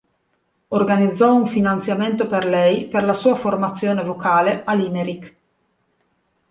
Organizzò un finanziamento per lei per la sua formazione vocale a Limerick.